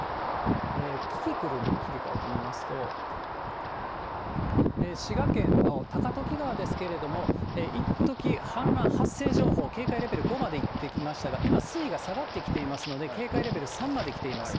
キキクルに切り替えてみますと、滋賀県の高時川ですけれども、いっとき、氾濫発生情報、警戒レベル５までいってきましたが、今、水位が下がってきていますので、警戒レベル３まで来ています。